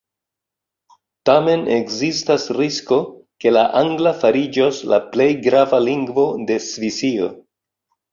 Tamen ekzistas risko, ke la angla fariĝos la plej grava lingvo de Svisio.